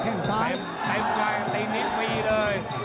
แทงไซด์ไต้ใกล้เจนดิเน้นฟรีเลย